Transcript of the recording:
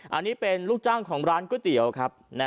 อันนี้เป็นลูกจ้างของร้านก๋วยเตี๋ยวครับ